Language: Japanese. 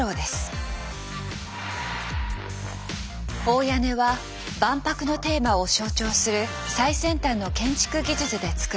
大屋根は万博のテーマを象徴する最先端の建築技術で造られます。